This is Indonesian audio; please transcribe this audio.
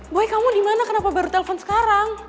boy kamu dimana kenapa baru telpon sekarang